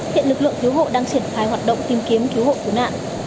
hiện lực lượng cứu hộ đang triển khai hoạt động tìm kiếm cứu hộ cứu nạn